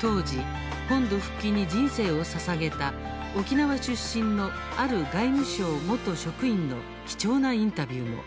当時、本土復帰に人生をささげた沖縄出身のある外務省元職員の貴重なインタビューも。